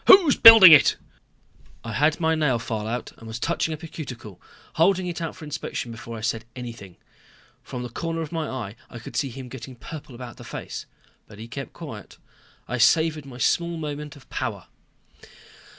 Who's building it?" I had my nail file out and was touching up a cuticle, holding it out for inspection before I said anything. From the corner of my eye I could see him getting purple about the face but he kept quiet. I savored my small moment of power.